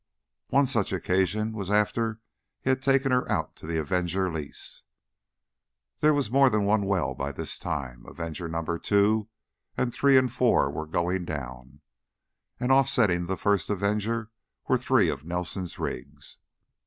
One such occasion was after he had taken her out to the Avenger lease. There was more than one well by this time; Avenger Number Two and Three and Four were going down, and offsetting the first Avenger were three of Nelson's rigs.